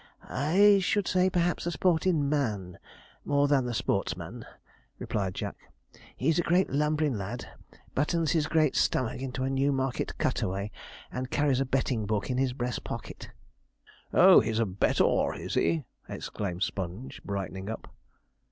I should say p'raps a sportin' man more than the sportsman,' replied Jack. 'He's a great lumberin' lad, buttons his great stomach into a Newmarket cutaway, and carries a betting book in his breast pocket.' 'Oh, he's a bettor, is he!' exclaimed Sponge, brightening up.